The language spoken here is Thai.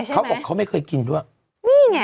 เขาบอกว่าเขาไม่เคยกินด้วย